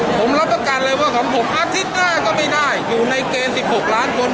ผมรับประกันเลยว่าของผมอาทิตย์หน้าก็ไม่ได้อยู่ในเกณฑ์๑๖ล้านคน